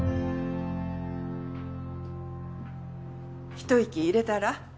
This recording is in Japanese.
一息入れたら？